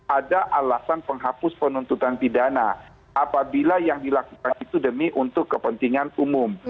ada alasan penghapus penuntutan pidana apabila yang dilakukan itu demi untuk kepentingan umum